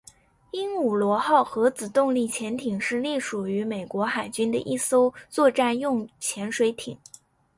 鹦鹉螺号核子动力潜艇是隶属于美国海军的一艘作战用潜水艇。